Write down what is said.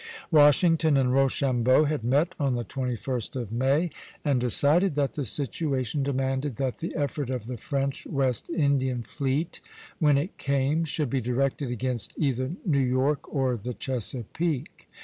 Washington and Rochambeau had met on the 21st of May, and decided that the situation demanded that the effort of the French West Indian fleet, when it came, should be directed against either New York or the Chesapeake.